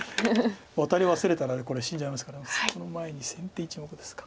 ワタリ忘れたらこれ死んじゃいますからその前に先手一目ですか。